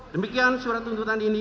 demikian surat tuntutan ini